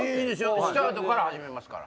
スタートから始めますから。